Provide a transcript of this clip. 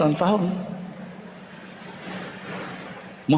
yang baru itu